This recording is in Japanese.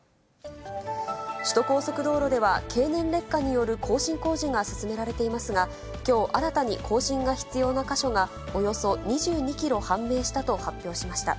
首都高速道路では経年劣化による更新工事が進められていますが、きょう、新たに更新が必要な箇所がおよそ２２キロ判明したと発表しました。